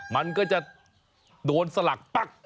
มันก็จะโดนสลักปั๊ก